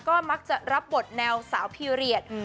ก็มักจะรับบทแนวสาวพีเรียส